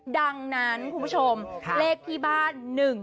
ดังนั้นคุณผู้ชมเลขที่บ้าน๑๒